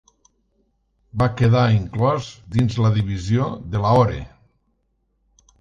Va quedar inclòs dins la divisió de Lahore.